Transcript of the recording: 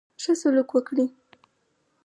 ښه سلوک وکړي.